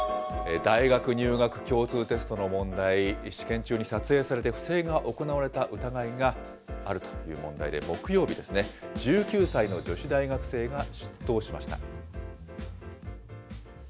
大学入学共通テストの問題、試験中に撮影されて、不正が行われた疑いがあるという問題で、木曜日ですね、１９歳の女子大学生が出頭しました。